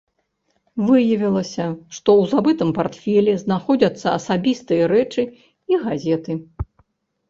Выявілася, што ў забытым партфелі знаходзяцца асабістыя рэчы і газеты.